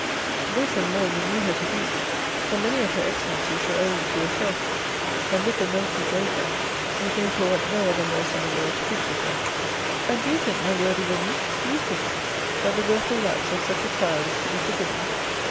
This, and more, you knew her to be: for many of her excellencies were owing to yourself; and with the milk you gave her, you gave her what no other nurse in the world could give her. And do you think, my worthy woman, do you think, that the wilful lapse of such a child is to be forgiven?